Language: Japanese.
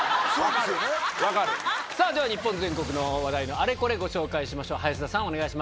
では日本全国の話題のあれこれご紹介しましょう林田さんお願いします。